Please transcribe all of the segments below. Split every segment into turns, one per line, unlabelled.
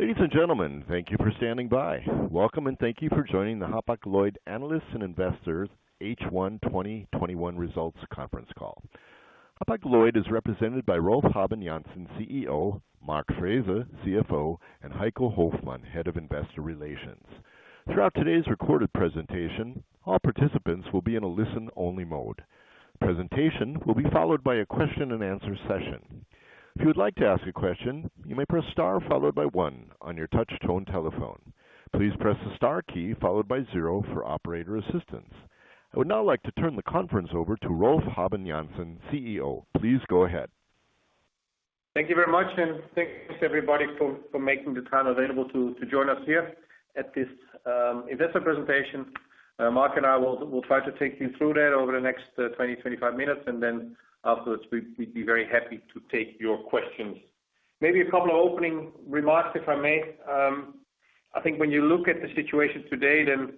Ladies and gentlemen, thank you for standing by. Welcome, and thank you for joining the Hapag-Lloyd Analysts and Investors H1 2021 Results Conference Call. Hapag-Lloyd is represented by Rolf Habben Jansen, CEO, Mark Frese, CFO, and Heiko Hoffmann, Head of Investor Relations. Throughout today's recorded presentation, all participants will be in a listen-only mode. The presentation will be followed by a question-and-answer session. If you would like to ask a question, you may press star followed by one on your touch-tone telephone. Please press the star key followed by zero for operator assistance. I would now like to turn the conference over to Rolf Habben Jansen, CEO. Please go ahead.
Thank you very much, and thanks everybody for making the time available to join us here at this investor presentation. Mark and I will try to take you through that over the next 20-25 minutes, and then afterwards, we'd be very happy to take your questions. Maybe a couple of opening remarks if I may. I think when you look at the situation today, then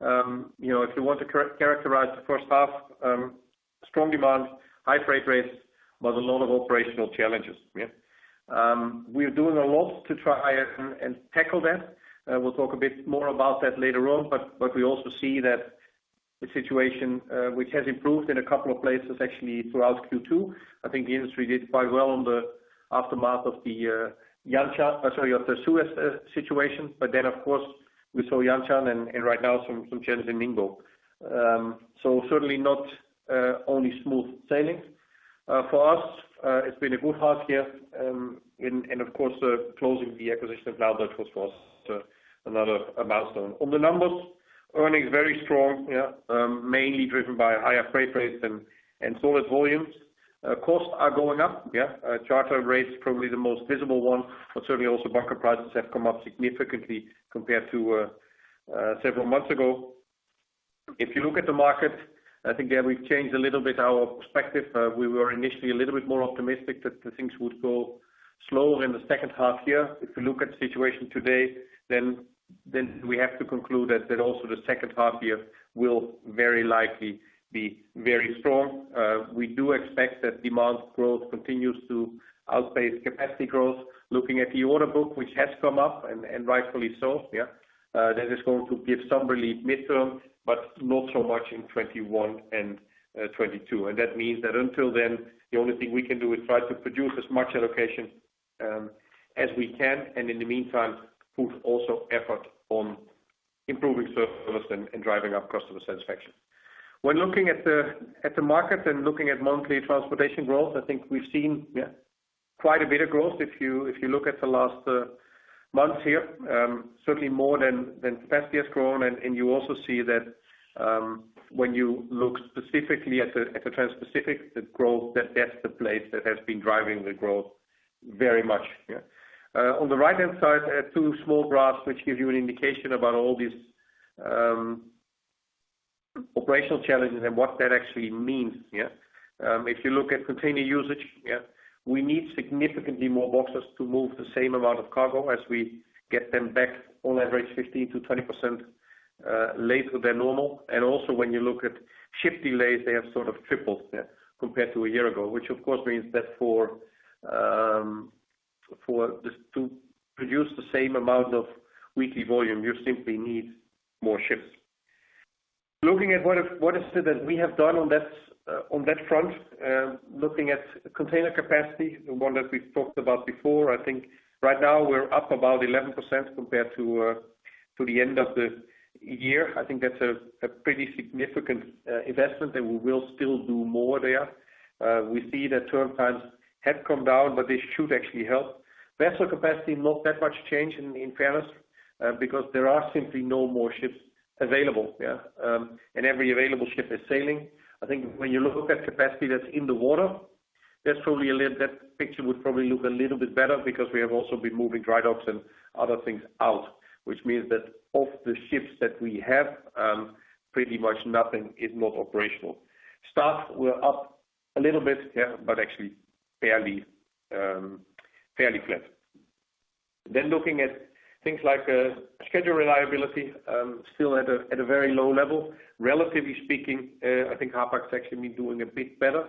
if you want to characterize the H1: strong demand, high freight rates, but a lot of operational challenges. We are doing a lot to try and tackle that. We'll talk a bit more about that later on, but we also see that the situation, which has improved in a couple of places actually throughout Q2. I think the industry did quite well on the aftermath of the Suez situation. Of course, we saw Yantian and right now some channels in Ningbo. Certainly not only smooth sailing. For us, it's been a good half year, and of course, closing the acquisition of NileDutch was for us another milestone. On the numbers, earnings very strong, mainly driven by higher freight rates and solid volumes. Costs are going up. Charter rates, probably the most visible one, but certainly also bunker prices have come up significantly compared to several months ago. If you look at the market, I think there we've changed a little bit our perspective. We were initially a little bit more optimistic that the things would go slower in the H2 year. If you look at the situation today, we have to conclude that also the H2 year will very likely be very strong. We do expect that demand growth continues to outpace capacity growth. Looking at the order book, which has come up, and rightfully so. That is going to give some relief midterm, but not so much in 2021 and 2022. That means that until then, the only thing we can do is try to produce as much allocation as we can, and in the meantime, put also effort on improving service and driving up customer satisfaction. When looking at the market and looking at monthly transportation growth, I think we've seen quite a bit of growth. If you look at the last months here, certainly more than capacity has grown, and you also see that when you look specifically at the Transpacific, that's the place that has been driving the growth very much. On the right-hand side, I have two small graphs, which give you an indication about all these operational challenges and what that actually means. If you look at container usage, we need significantly more boxes to move the same amount of cargo as we get them back on average 15%-20% later than normal. Also when you look at ship delays, they have sort of tripled compared to a year ago, which of course means that to produce the same amount of weekly volume, you simply need more ships. Looking at what is it that we have done on that front. Looking at container capacity, the one that we've talked about before, I think right now we're up about 11% compared to the end of the year. I think that's a pretty significant investment, and we will still do more there. We see that turn times have come down, but this should actually help. Vessel capacity, not that much change in fairness, because there are simply no more ships available. Every available ship is sailing. I think when you look at capacity that's in the water, that picture would probably look a little bit better because we have also been moving dry docks and other things out, which means that of the ships that we have, pretty much nothing is not operational. Staff were up a little bit, but actually fairly flat. Looking at things like schedule reliability, still at a very low level. Relatively speaking, I think Hapag's actually been doing a bit better.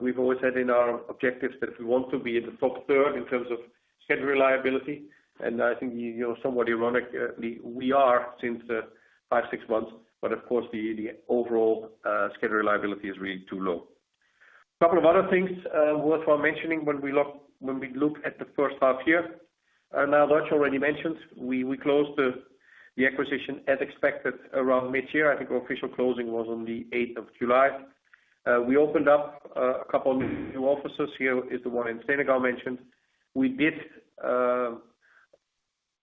We've always had in our objectives that we want to be in the top third in terms of schedule reliability, and I think somewhat ironically, we are since the five, six months. Of course, the overall schedule reliability is really too low. A couple of other things worthwhile mentioning when we look at the H1 year. As I already mentioned, we closed the acquisition as expected around mid-year. I think our official closing was on the 8th of July. We opened up a couple of new offices. Here is the one in Senegal mentioned. We did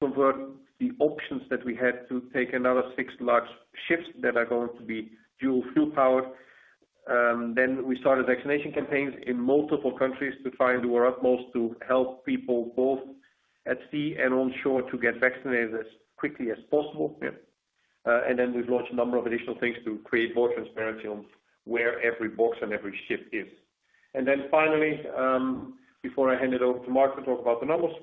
convert the options that we had to take another six large ships that are going to be dual fuel powered. We started vaccination campaigns in multiple countries to find where utmost to help people both at sea and on shore to get vaccinated as quickly as possible. We've launched a number of additional things to create more transparency on where every box and every ship is. Finally, before I hand it over to Mark to talk about the numbers.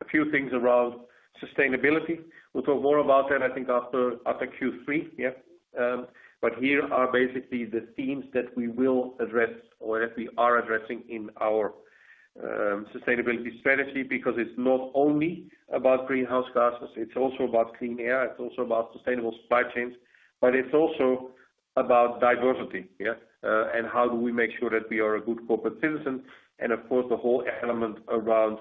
A few things around sustainability. We'll talk more about that, I think, after Q3. Here are basically the themes that we will address, or that we are addressing in our sustainability strategy, because it's not only about greenhouse gases, it's also about clean air, it's also about sustainable supply chains, it's also about diversity. How do we make sure that we are a good corporate citizen and, of course, the whole element around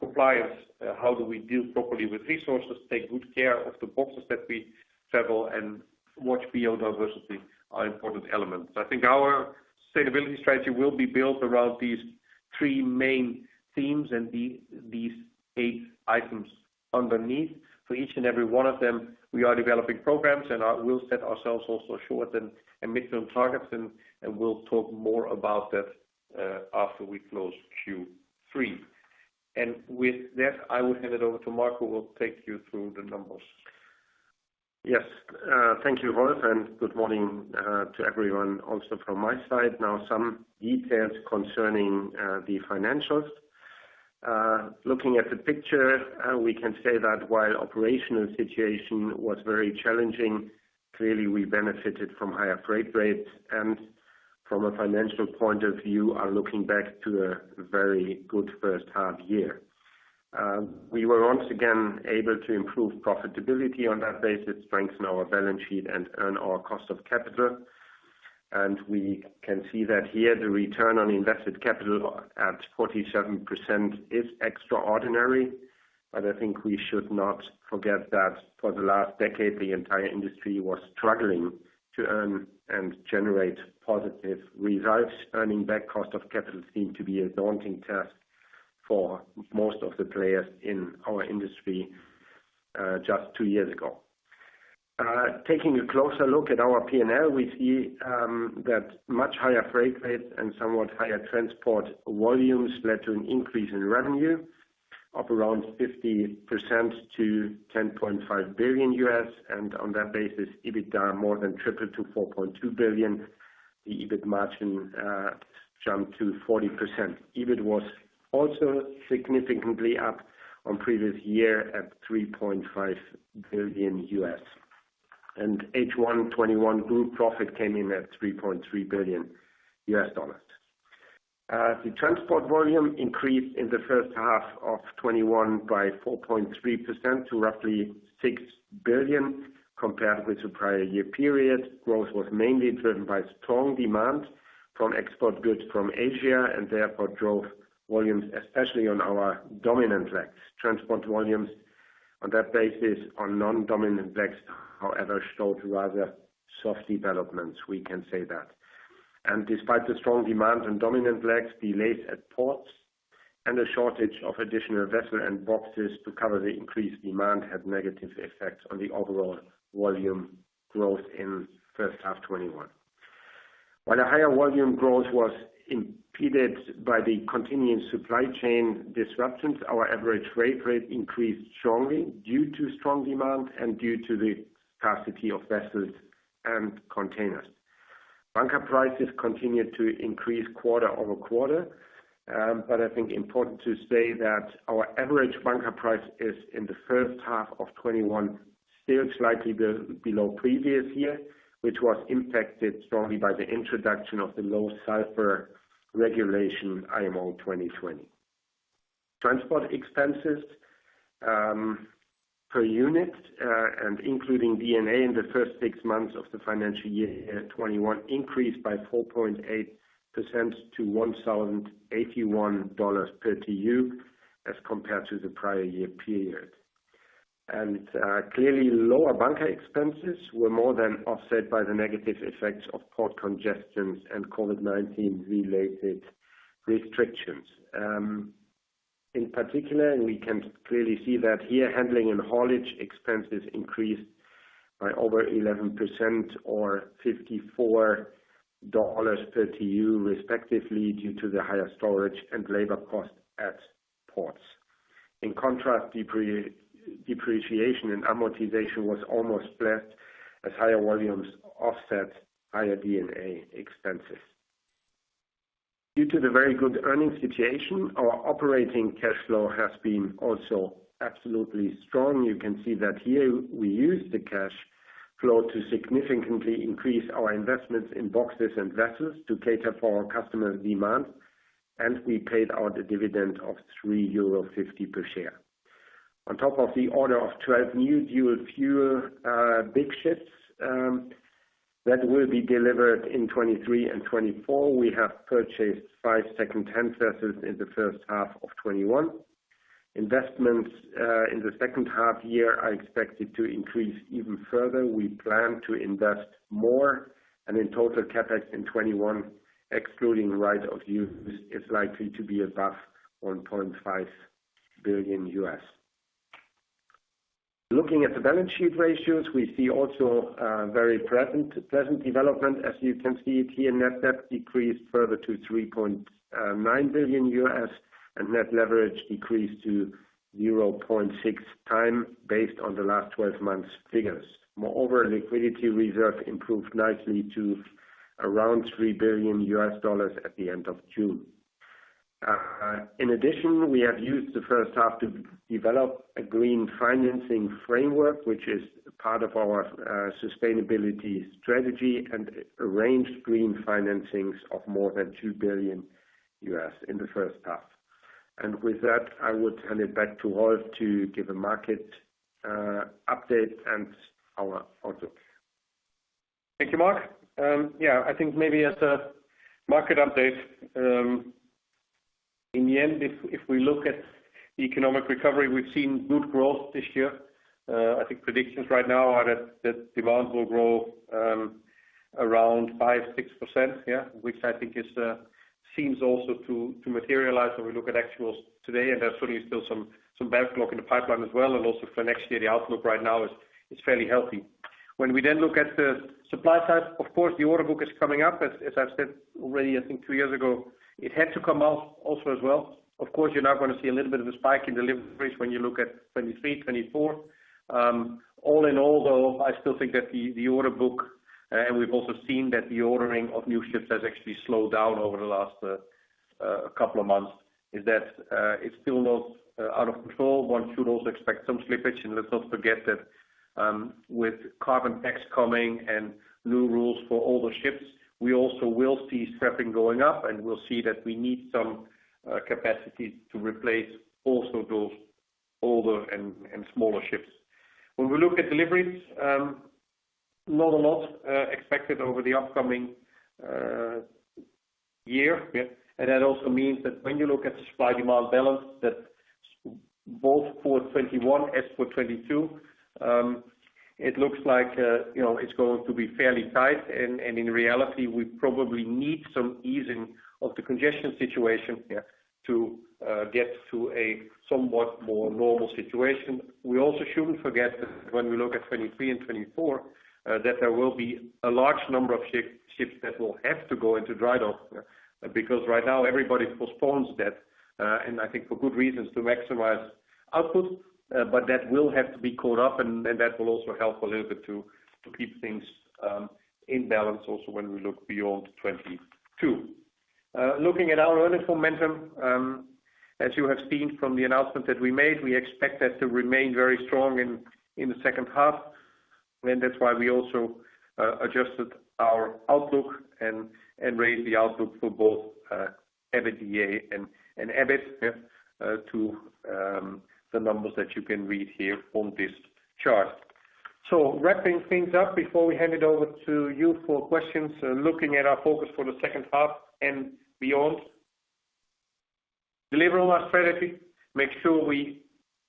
compliance. How do we deal properly with resources, take good care of the boxes that we travel and watch biodiversity are important elements. I think our sustainability strategy will be built around these three main themes and these eight items underneath. For each and every one of them, we are developing programs, and we'll set ourselves also short- and mid-term targets, and we'll talk more about that, after we close Q3. With that, I will hand it over to Mark, who will take you through the numbers.
Yes. Thank you, Rolf, good morning to everyone, also from my side. Some details concerning the financials. Looking at the picture, we can say that while operational situation was very challenging, clearly, we benefited from higher freight rates and from a financial point of view, are looking back to a very good H1 year. We were once again able to improve profitability on that basis, strengthen our balance sheet, and earn our cost of capital. We can see that here, the return on invested capital at 47% is extraordinary. I think we should not forget that for the last decade, the entire industry was struggling to earn and generate positive results. Earning back cost of capital seemed to be a daunting task for most of the players in our industry, just two years ago. Taking a closer look at our P&L, we see that much higher freight rates and somewhat higher transport volumes led to an increase in revenue of around 50% to $10.5 billion US. On that basis, EBITDA more than tripled to 4.2 billion. The EBIT margin jumped to 40%. EBIT was also significantly up on previous year at $3.5 billion US. H1 2021 group profit came in at $3.3 billion US. The transport volume increased in the H1 of 2021 by 4.3% to roughly 6 billion compared with the prior year period. Growth was mainly driven by strong demand from export goods from Asia, and therefore drove volumes, especially on our dominant legs. Transport volumes on that basis on non-dominant legs, however, showed rather soft developments, we can say that. Despite the strong demand on dominant legs, delays at ports and a shortage of additional vessel and boxes to cover the increased demand had negative effects on the overall volume growth in H1 2021. While the higher volume growth was impeded by the continuing supply chain disruptions, our average freight rate increased strongly due to strong demand and due to the capacity of vessels and containers. Bunker prices continued to increase quarter-over-quarter. I think important to say that our average bunker price is in the H1 2021, still slightly below previous year, which was impacted strongly by the introduction of the low sulfur regulation IMO 2020. Transport expenses per unit, including D&A in the first six months of the financial year 2021, increased by 4.8% to EUR 1,081 per TEU as compared to the prior year period. Clearly, lower bunker expenses were more than offset by the negative effects of port congestions and COVID-19 related restrictions. In particular, we can clearly see that here, handling and haulage expenses increased by over 11% or $54 per TEU respectively due to the higher storage and labor cost at ports. In contrast, depreciation and amortization was almost flat as higher volumes offset higher D&A expenses. Due to the very good earning situation, our operating cash flow has been also absolutely strong. You can see that here we used the cash flow to significantly increase our investments in boxes and vessels to cater for our customers demand, and we paid out a dividend of €3.50 per share. On top of the order of 12 new dual-fuel big ships that will be delivered in 2023 and 2024, we have purchased 5 second-hand vessels in H1 2021. Investments in the H2 year are expected to increase even further. We plan to invest more. In total, CapEx in 2021, excluding right-of-use, is likely to be above $1.5 billion US. Looking at the balance sheet ratios, we see also a very pleasant development. As you can see it here, net debt decreased further to $3.9 billion US and net leverage decreased to 0.6 time based on the last 12 months figures. Moreover, liquidity reserve improved nicely to around $3 billion US at the end of June. In addition, we have used the H1 to develop a green financing framework, which is part of our sustainability strategy, and arranged green financings of more than $2 billion in the H1. With that, I would hand it back to Rolf to give a market update and our outlook.
Thank you, Mark. Yeah, I think maybe as a market update, in the end, if we look at economic recovery, we've seen good growth this year. I think predictions right now are that demand will grow around 5%-6%, yeah, which I think seems also to materialize when we look at actuals today, and there are certainly still some backlog in the pipeline as well. Also for next year, the outlook right now is fairly healthy. When we then look at the supply side, of course, the order book is coming up. As I've said already, I think three years ago, it had to come out also as well. Of course, you're now going to see a little bit of a spike in deliveries when you look at 2023, 2024. All in all, though, I still think that the order book, and we've also seen that the ordering of new ships has actually slowed down over the last couple of months, is that it's still not out of control. One should also expect some slippage. Let's not forget that with carbon tax coming and new rules for older ships, we also will see scrapping going up, and we'll see that we need some capacity to replace also those older and smaller ships. When we look at deliveries, not a lot expected over the upcoming year. That also means that when you look at the supply and demand balance, that both for 2021, as for 2022, it looks like it's going to be fairly tight. In reality, we probably need some easing of the congestion situation, yeah, to get to a somewhat more normal situation. We also shouldn't forget that when we look at 2023 and 2024, that there will be a large number of ships that will have to go into drydock, because right now everybody postpones that. I think for good reasons, to maximize output. That will have to be caught up, and that will also help a little bit to keep things in balance also when we look beyond 2022. Looking at our earnings momentum, as you have seen from the announcement that we made, we expect that to remain very strong in the H2. That's why we also adjusted our outlook and raised the outlook for both EBITDA and EBIT, yeah, to the numbers that you can read here on this chart. Wrapping things up before we hand it over to you for questions. Looking at our focus for the H2 and beyond. Deliver on our strategy, make sure we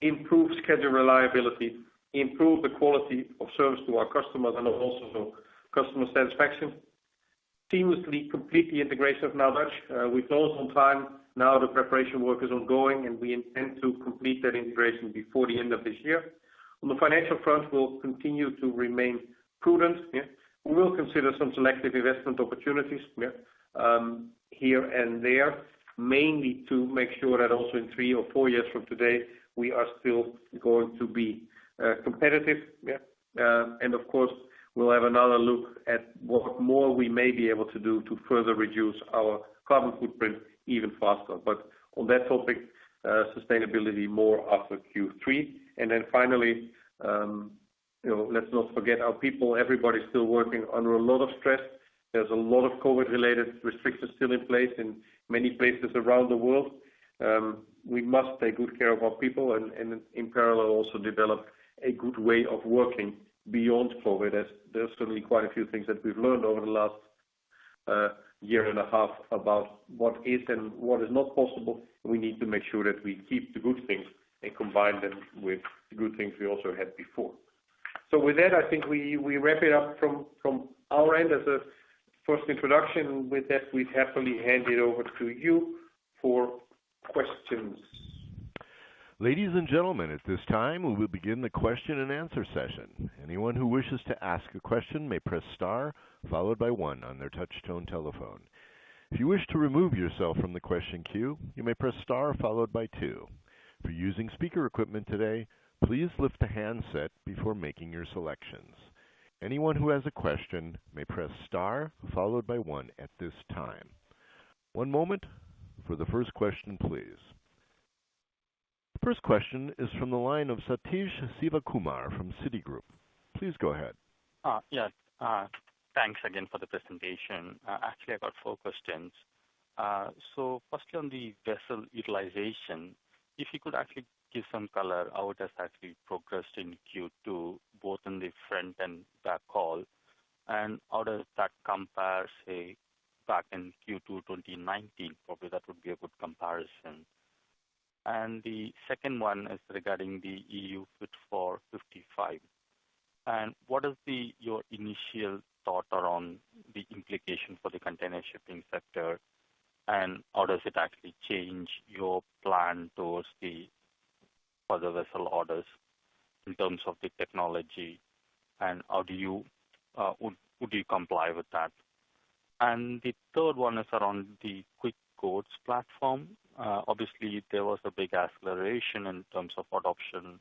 improve schedule reliability, improve the quality of service to our customers and also customer satisfaction. Seamlessly complete the integration of NileDutch. We're close on time. The preparation work is ongoing, and we intend to complete that integration before the end of this year. On the financial front, we'll continue to remain prudent. We will consider some selective investment opportunities here and there, mainly to make sure that also in three or four years from today, we are still going to be competitive. Of course, we'll have another look at what more we may be able to do to further reduce our carbon footprint even faster. On that topic, sustainability more after Q3. Finally, let's not forget our people. Everybody's still working under a lot of stress. There's a lot of COVID-related restrictions still in place in many places around the world. We must take good care of our people and in parallel, also develop a good way of working beyond COVID. There's certainly quite a few things that we've learned over the last year and a half about what is and what is not possible. We need to make sure that we keep the good things and combine them with the good things we also had before. With that, I think we wrap it up from our end as a first introduction. With that, we happily hand it over to you for questions.
The first question is from the line of Sathish Sivakumar from Citigroup. Please go ahead.
Yeah. Thanks again for the presentation. Actually, I got four questions. Firstly, on the vessel utilization, if you could actually give some color how it has actually progressed in Q2, both in the front and back haul, and how does that compare, say, back in Q2 2019? Probably that would be a good comparison. The second one is regarding the EU Fit for 55. What is your initial thought around the implication for the container shipping sector, and how does it actually change your plan towards the further vessel orders in terms of the technology, and would you comply with that? The third one is around the Quick Quotes platform. Obviously, there was a big acceleration in terms of adoption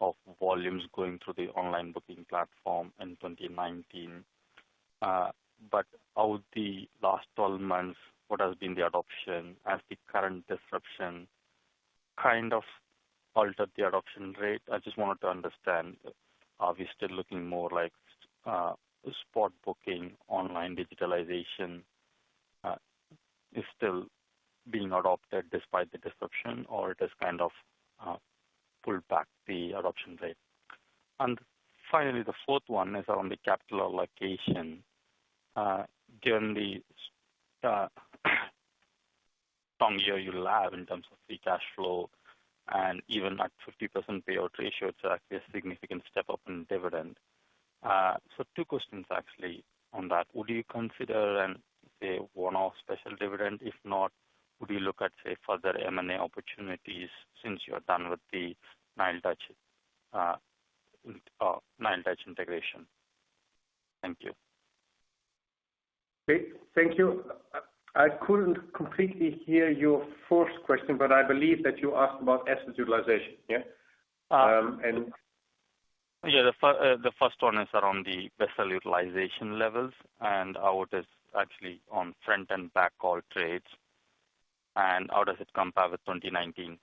of volumes going through the online booking platform in 2019. Out the last 12 months, what has been the adoption? Has the current disruption kind of altered the adoption rate? I just wanted to understand, are we still looking more like spot booking, online digitalization is still being adopted despite the disruption, or it has kind of pulled back the adoption rate? Finally, the fourth one is on the capital allocation. Given the strong year you have in terms of free cash flow and even that 50% payout ratio, it's actually a significant step up in dividend. Two questions actually on that. Would you consider, say, one-off special dividend? If not, would you look at, say, further M&A opportunities since you are done with the NileDutch integration? Thank you.
Thank you. I couldn't completely hear your first question, but I believe that you asked about asset utilization. Yeah?
Yeah. The first one is around the vessel utilization levels and how it is actually on front and back haul trades, and how does it compare with 2019?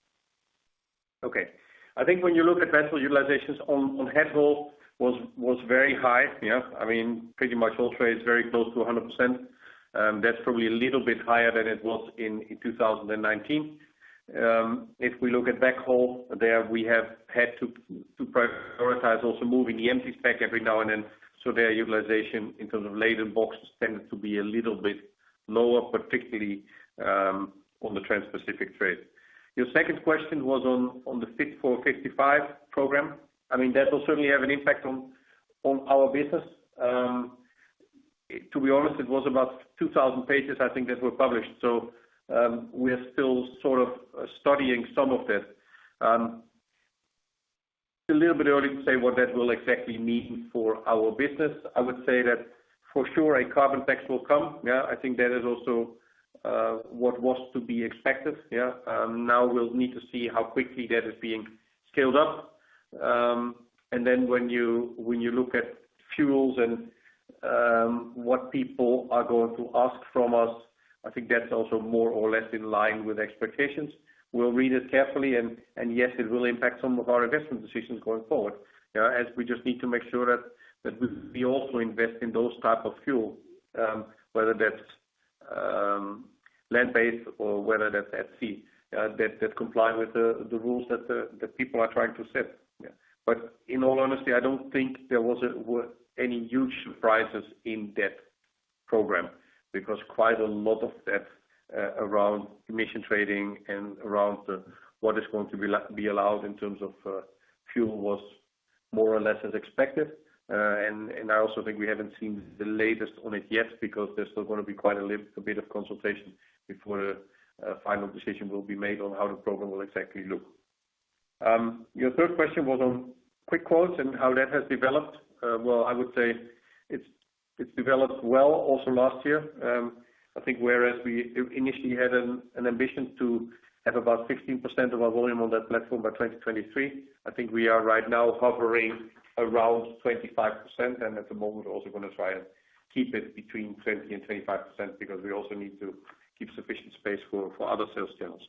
Okay. I think when you look at vessel utilizations on head haul was very high. Pretty much all trades very close to 100%. That's probably a little bit higher than it was in 2019. If we look at back haul, there we have had to prioritize also moving the empty spec every now and then. Their utilization in terms of laden boxes tended to be a little bit lower, particularly, on the Transpacific trade. Your second question was on the Fit for 55 program. That will certainly have an impact on our business. To be honest, it was about 2,000 pages, I think, that were published. We are still sort of studying some of that. It's a little bit early to say what that will exactly mean for our business. I would say that for sure a carbon tax will come. I think that is also, what was to be expected. We'll need to see how quickly that is being scaled up. When you look at fuels and what people are going to ask from us, I think that's also more or less in line with expectations. We'll read it carefully, and yes, it will impact some of our investment decisions going forward. We just need to make sure that we also invest in that type of fuel, whether that's land-based or whether that's at sea, that comply with the rules that people are trying to set. In all honesty, I don't think there was any huge surprises in that program because quite a lot of that, around emissions trading and around what is going to be allowed in terms of fuel was more or less as expected. I also think we haven't seen the latest on it yet because there's still going to be quite a bit of consultation before a final decision will be made on how the program will exactly look. Your third question was on Quick Quotes and how that has developed. Well, I would say it's developed well also last year. I think whereas we initially had an ambition to have about 16% of our volume on that platform by 2023, I think we are right now hovering around 25%. At the moment, we're also going to try and keep it between 20%-25% because we also need to keep sufficient space for other sales channels.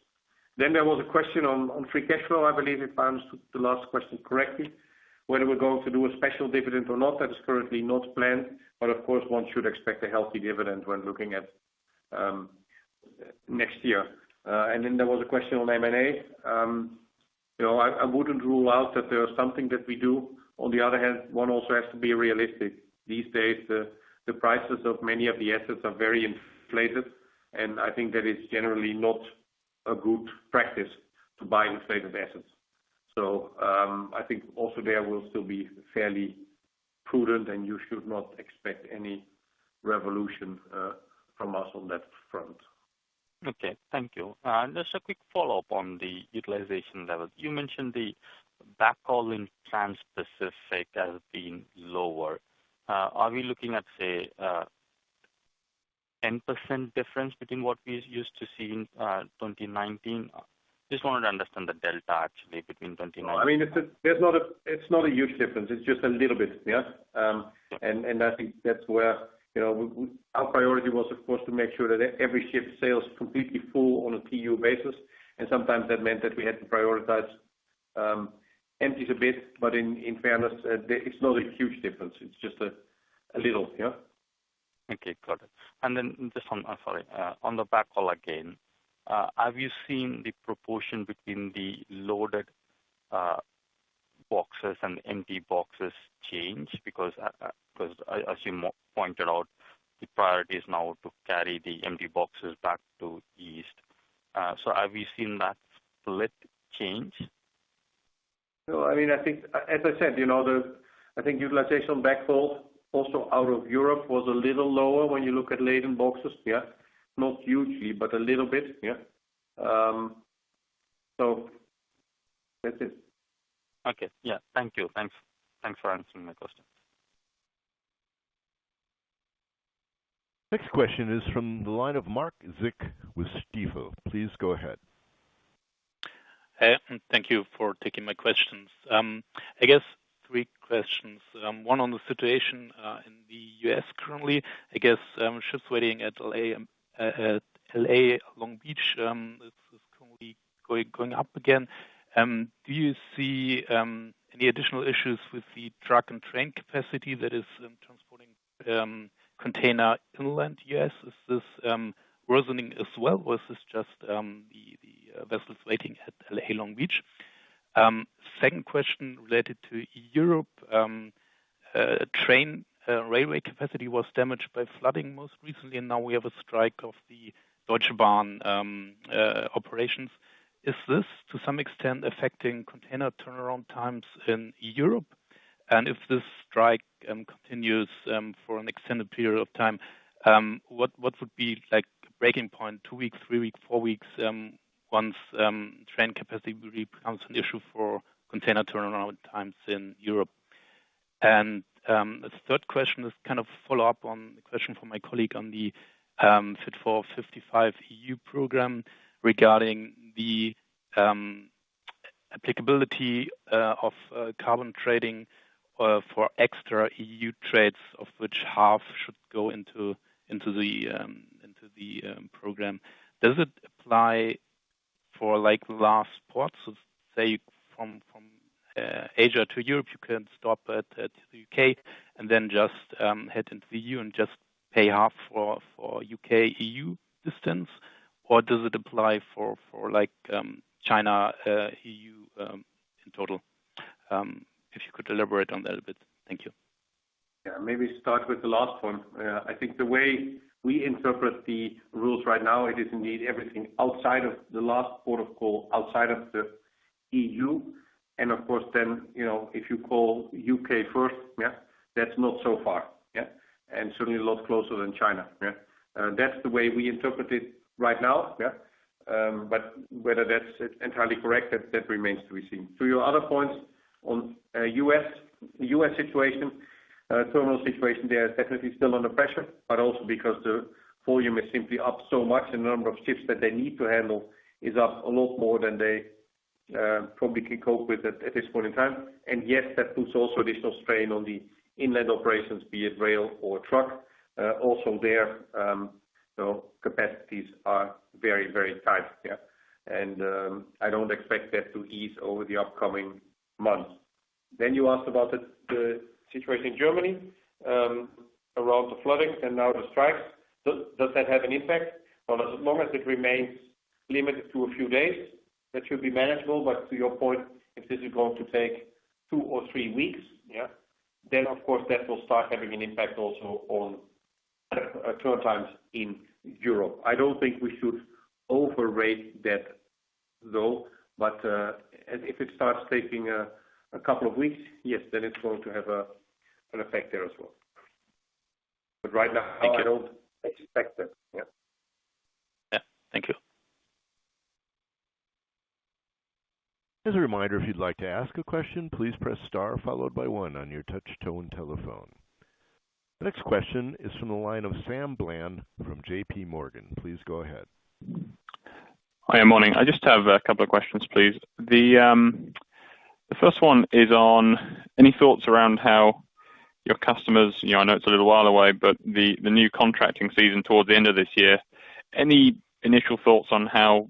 There was a question on free cash flow, I believe, if I understood the last question correctly, whether we're going to do a special dividend or not. That is currently not planned. Of course, one should expect a healthy dividend when looking at next year. There was a question on M&A. I wouldn't rule out that there is something that we do. On the other hand, one also has to be realistic. These days, the prices of many of the assets are very inflated, and I think that is generally not a good practice to buy inflated assets. I think also there will still be fairly prudent, and you should not expect any revolution from us on that front.
Okay. Thank you. Just a quick follow-up on the utilization level. You mentioned the back haul in Transpacific has been lower. Are we looking at, say, a 10% difference between what we used to see in 2019? Just wanted to understand the delta actually between 2019.
It's not a huge difference. It's just a little bit. I think that's where our priority was, of course, to make sure that every ship sails completely full on a TEU basis. Sometimes that meant that we had to prioritize empties a bit. In fairness, it's not a huge difference. It's just a little.
Okay, got it. Just on, sorry, on the back haul again, have you seen the proportion between the loaded boxes and empty boxes change? As you pointed out, the priority is now to carry the empty boxes back to East. Have you seen that split change?
As I said, I think utilization back haul also out of Europe was a little lower when you look at laden boxes. Not hugely, but a little bit. That's it.
Okay. Yeah. Thank you. Thanks for answering my questions.
Next question is from the line of Martin Zinn with Stifel. Please go ahead.
Hey, thank you for taking my questions. I guess three questions. One on the situation in the U.S. currently, I guess, ships waiting at L.A. Long Beach, is currently going up again. Do you see any additional issues with the truck and train capacity that is transporting container inland U.S.? Is this rising as well, or is this just the vessels waiting at L.A. Long Beach? Second question related to Europe. Train railway capacity was damaged by flooding most recently. Now we have a strike of the Deutsche Bahn operations. Is this, to some extent, affecting container turnaround times in Europe? If this strike continues for an extended period of time, what would be the breaking point? Two weeks, three weeks, four weeks, once train capacity becomes an issue for container turnaround times in Europe? The third question is kind of a follow-up on the question from my colleague on the Fit for 55 E.U. program regarding the applicability of carbon trading for extra-E.U. trades, of which half should go into the program. Does it apply for last ports of, say, from Asia to Europe, you can stop at the U.K. and then just head into the E.U. and just pay half for U.K.-E.U. distance? Does it apply for China-E.U. in total? If you could elaborate on that a bit. Thank you.
Maybe start with the last one. I think the way we interpret the rules right now, it is indeed everything outside of the last port of call, outside of the EU. Of course, if you call U.K. first, that's not so far. Certainly a lot closer than China. That's the way we interpret it right now. Whether that's entirely correct, that remains to be seen. To your other points on U.S. situation, terminal situation there is definitely still under pressure, but also because the volume is simply up so much and the number of ships that they need to handle is up a lot more than they probably can cope with at this point in time. Yes, that puts also additional strain on the inland operations, be it rail or truck. Also their capacities are very, very tight. I don't expect that to ease over the upcoming months. You asked about the situation in Germany, around the flooding and now the strikes. Does that have an impact? Well, as long as it remains limited to a few days, that should be manageable. To your point, if this is going to take two or three weeks, yeah, of course, that will start having an impact also on turnaround times in Europe. I don't think we should overrate that, though. If it starts taking a couple of weeks, yes, it's going to have an effect there as well. Right now.
Thank you.
I don't expect it. Yeah.
Yeah. Thank you.
As a reminder, if you'd like to ask a question, please press star followed by one on your touch tone telephone. The next question is from the line of Sam Bland from JP Morgan. Please go ahead.
Hi, morning. I just have a couple of questions, please. The first one is on any thoughts around how your customers, I know it's a little while away, but the new contracting season towards the end of this year. Any initial thoughts on how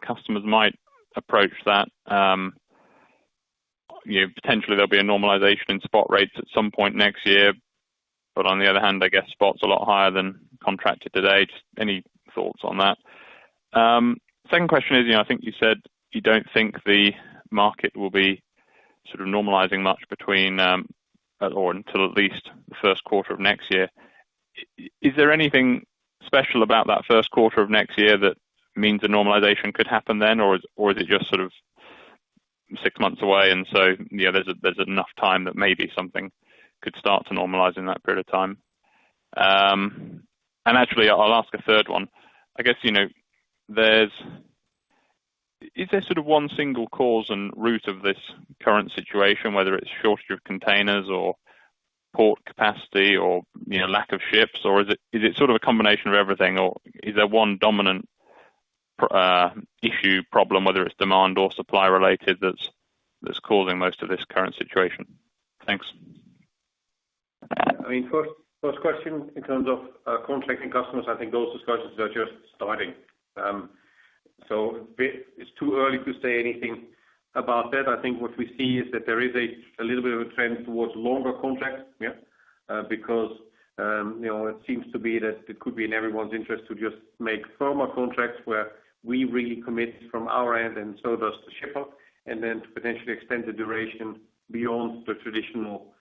customers might approach that? Potentially there'll be a normalization in spot rates at some point next year. On the other hand, I guess spot's a lot higher than contracted today. Just any thoughts on that? Second question is, I think you said you don't think the market will be sort of normalizing much between, or until at least the Q1 of next year. Is there anything special about that Q1 of next year that means a normalization could happen then? Is it just sort of six months away and so there's enough time that maybe something could start to normalize in that period of time? Actually, I'll ask a third one. Is there sort of one single cause and root of this current situation, whether it's shortage of containers or port capacity or lack of ships? Is it sort of a combination of everything? Is there one dominant issue, problem, whether it's demand or supply related, that's causing most of this current situation? Thanks.
First question in terms of contracting customers, I think those discussions are just starting. It's too early to say anything about that. I think what we see is that there is a little bit of a trend towards longer contracts, yeah, because it seems to be that it could be in everyone's interest to just make firmer contracts where we really commit from our end and so does the shipper, and then to potentially extend the duration beyond the traditional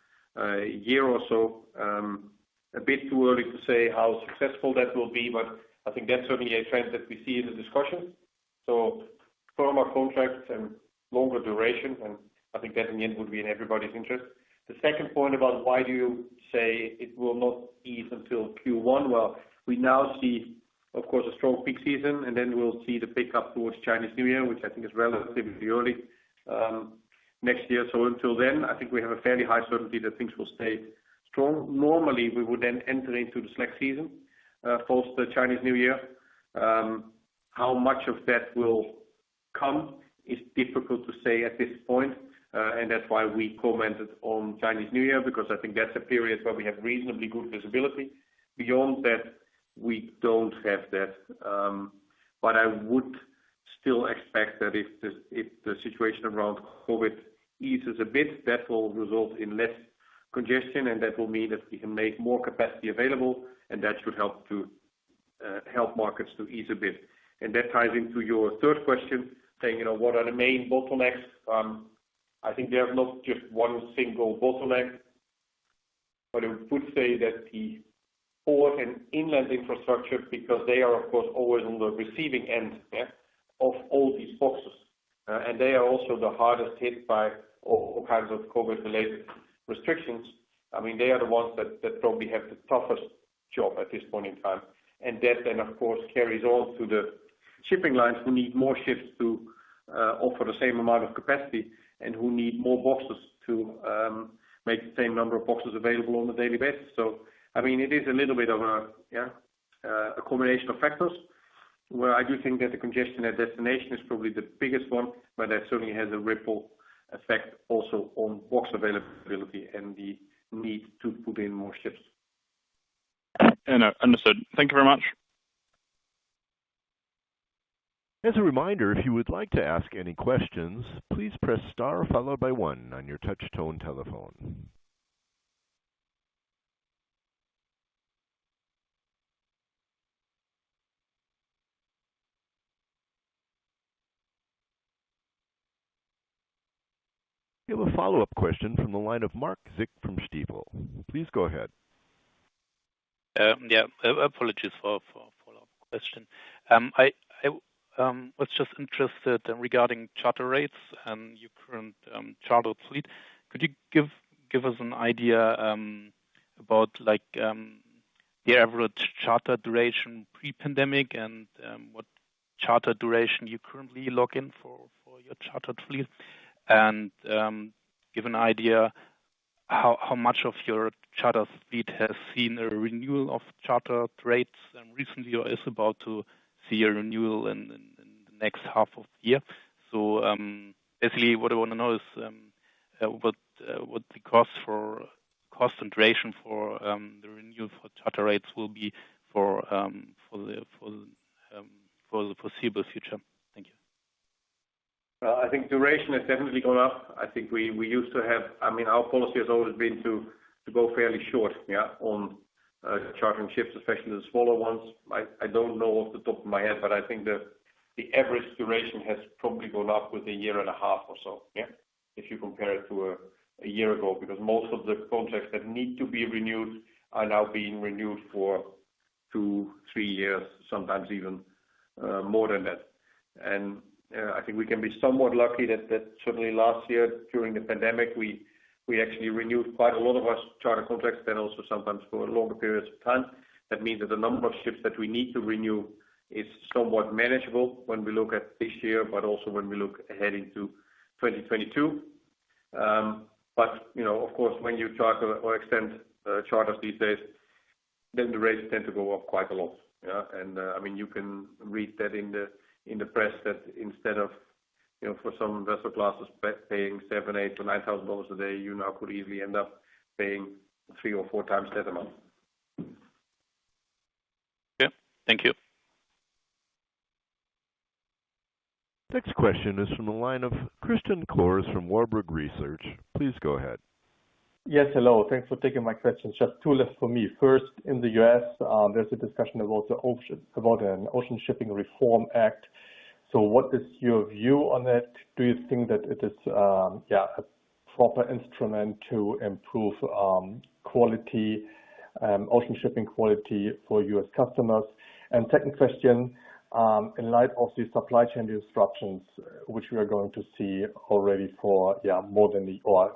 year or so. A bit too early to say how successful that will be, but I think that's certainly a trend that we see in the discussion. Firmer contracts and longer duration, and I think that in the end would be in everybody's interest. The second point about why do you say it will not ease until Q1? Well, we now see, of course, a strong peak season, and then we'll see the pickup towards Chinese New Year, which I think is relatively early next year. Until then, I think we have a fairly high certainty that things will stay strong. Normally, we would then enter into the slack season Post the Chinese New Year. How much of that will come is difficult to say at this point, and that's why we commented on Chinese New Year, because I think that's a period where we have reasonably good visibility. Beyond that, we don't have that. I would still expect that if the situation around COVID eases a bit, that will result in less congestion, and that will mean that we can make more capacity available, and that should help markets to ease a bit. That ties into your third question, saying, what are the main bottlenecks? I think there's not just one single bottleneck, but I would say that the port and inland infrastructure, because they are, of course, always on the receiving end of all these boxes. They are also the hardest hit by all kinds of COVID-related restrictions. They are the ones that probably have the toughest job at this point in time. That then, of course, carries on to the shipping lines, who need more ships to offer the same amount of capacity and who need more boxes to make the same number of boxes available on a daily basis. It is a little bit of a combination of factors, where I do think that the congestion at destination is probably the biggest one, but that certainly has a ripple effect also on box availability and the need to put in more ships.
Understood. Thank you very much.
As a reminder, if you would like to ask any questions, please press star followed by one on your touch tone telephone. We have a follow-up question from the line of Martin Zinn from Stifel. Please go ahead.
Yeah. Apologies for follow-up question. I was just interested regarding charter rates and your current chartered fleet. Could you give us an idea about the average charter duration pre-pandemic and what charter duration you currently lock in for your chartered fleet? Give an idea how much of your charter fleet has seen a renewal of charter rates recently or is about to see a renewal in the next half of the year. Basically, what I want to know is what the cost and duration for the renewal for charter rates will be for the foreseeable future. Thank you.
I think duration has definitely gone up. Our policy has always been to go fairly short on chartering ships, especially the smaller ones. I don't know off the top of my head, but I think that the average duration has probably gone up with a year and a half or so. If you compare it to a year ago, because most of the contracts that need to be renewed are now being renewed for two, three years, sometimes even more than that. I think we can be somewhat lucky that certainly last year during the pandemic, we actually renewed quite a lot of our charter contracts then also sometimes for longer periods of time. That means that the number of ships that we need to renew is somewhat manageable when we look at this year, but also when we look ahead into 2022. Of course, when you charter or extend charter fleet days, then the rates tend to go up quite a lot. You can read that in the press that instead of for some vessel classes paying 7,000, EUR 8,000-EUR 9,000 a day, you now could easily end up paying three or four times that amount.
Okay. Thank you.
Next question is from the line of Christian Cohrs from Warburg Research. Please go ahead.
Yes, hello. Thanks for taking my question. Just two left for me. First, in the U.S., there's a discussion about an Ocean Shipping Reform Act. What is your view on it? Do you think that it is a proper instrument to improve ocean shipping quality for U.S. customers? Second question, in light of the supply chain disruptions, which we are going to see already for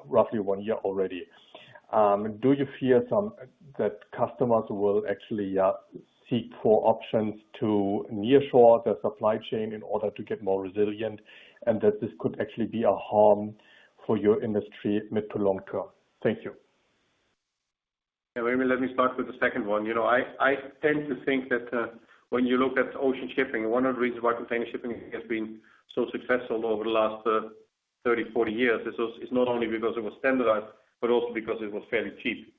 roughly one year already, do you fear that customers will actually seek for options to nearshore their supply chain in order to get more resilient, and that this could actually be a harm for your industry mid to longer term? Thank you.
Maybe let me start with the second one. I tend to think that when you look at ocean shipping, one of the reasons why container shipping has been so successful over the last 30, 40 years is not only because it was standardized, but also because it was fairly cheap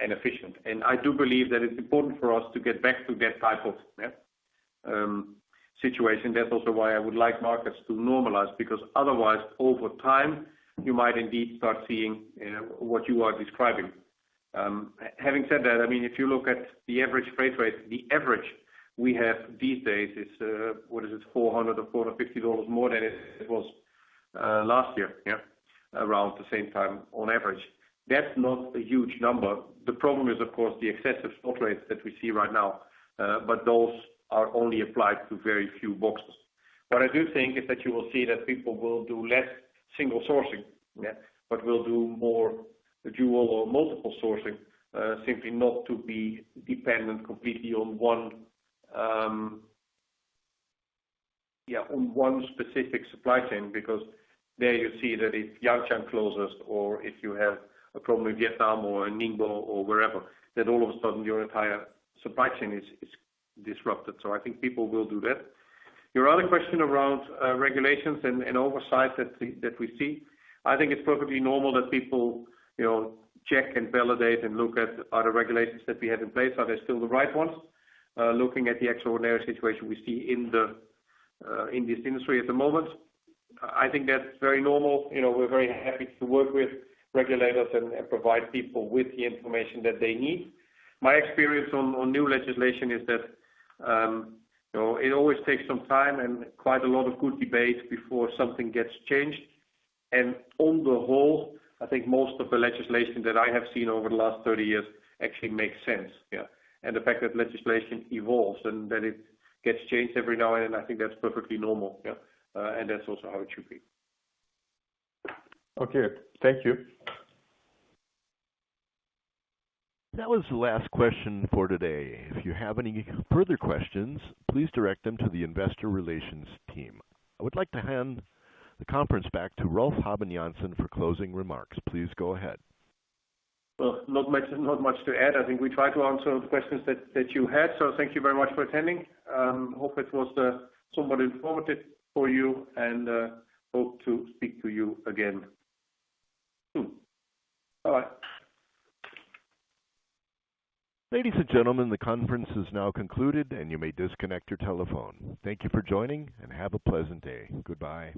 and efficient. I do believe that it's important for us to get back to that type of situation. That's also why I would like markets to normalize, because otherwise, over time, you might indeed start seeing what you are describing. Having said that, if you look at the average freight rate, the average we have these days is, what is it, 400 or EUR 450 more than it was last year around the same time on average. That's not a huge number. The problem is, of course, the excessive spot rates that we see right now. Those are only applied to very few boxes. What I do think is that you will see that people will do less single sourcing, will do more dual or multiple sourcing, simply not to be dependent completely on one specific supply chain, because there you see that if Yantian closes or if you have a problem with Vietnam or Ningbo or wherever, then all of a sudden your entire supply chain is disrupted. I think people will do that. Your other question around regulations and oversight that we see, I think it's perfectly normal that people check and validate and look at are the regulations that we have in place, are they still the right ones? Looking at the extraordinary situation we see in this industry at the moment, I think that's very normal. We're very happy to work with regulators and provide people with the information that they need. My experience on new legislation is that it always takes some time and quite a lot of good debate before something gets changed. On the whole, I think most of the legislation that I have seen over the last 30 years actually makes sense. The fact that legislation evolves and that it gets changed every now and then, I think that's perfectly normal. That's also how it should be.
Okay. Thank you.
That was the last question for today. If you have any further questions, please direct them to the investor relations team. I would like to hand the conference back to Rolf Habben Jansen for closing remarks. Please go ahead.
Well, not much to add. I think we tried to answer the questions that you had. Thank you very much for attending. Hope it was somewhat informative for you and hope to speak to you again soon. Bye-bye.
Ladies and gentlemen, the conference is now concluded, and you may disconnect your telephone. Thank you for joining and have a pleasant day. Goodbye.